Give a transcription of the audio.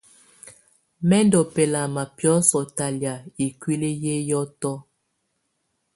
Mɛ ndù bɛlama biɔsɔ talɛ̀á ikuili yɛ hiɔtɔ.